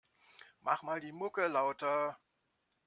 Mach mal die Mucke lauter.